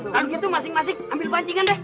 kalau gitu masing masing ambil pancingan deh